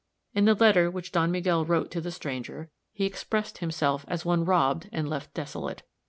In the letter which Don Miguel wrote to the stranger, he expressed himself as one robbed and left desolate.